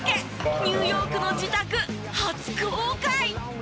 ニューヨークの自宅初公開！